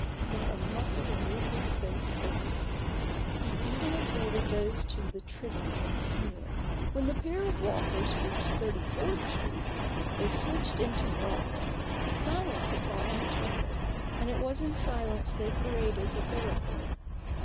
Not a muscle in Rupert's face quivered : he even afforded those two the tribute of a sneer. 12 A BOOK OF BARGAINS. When the pair of walkers reached Thirty fourth Street they switched into Broadway. A silence had fallen between them, and it was in silence they paraded the thoroughfare.